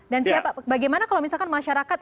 dan siapa bagaimana kalau misalkan masyarakat